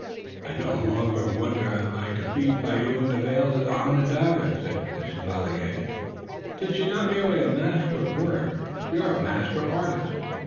"I no longer wonder at my defeat by you in the vale of Onondaga," said the chevalier, "since you're not merely a master of words, you're a master artist.